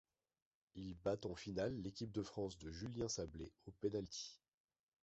Ils battent en finale l'équipe de France de Julien Sablé aux penalties...